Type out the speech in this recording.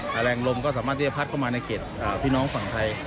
แต่แรงลมก็สามารถที่จะพัดเข้ามาในเขตพี่น้องฝั่งไทย